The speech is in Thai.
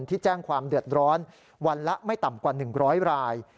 ที่แจ้งความเดือดร้อนวันละไม่ต่ำกว่า๑๐๐ราย